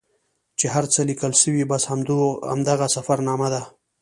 چې هر څه لیکل سوي بس همدغه سفرنامه ده.